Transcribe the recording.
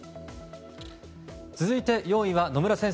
続いて４位は野村先生